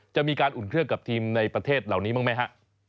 จะมีการอุ่นเครื่องกับทีมในประเทศเหล่านี้บ้างไหมฮะ